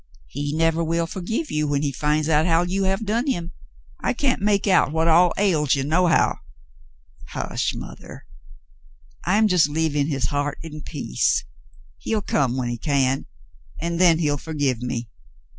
"He nevah will forgive you when he finds out how you have done him. I can't make out what all ails ye, no how." "Hush, mother. I'm just leaving his heart in peace. He'll come when he can, and then he'll forgive me."